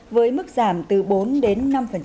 với mức giảm từ bốn đến năm